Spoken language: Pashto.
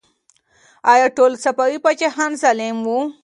آیا ټول صفوي پاچاهان ظالم وو؟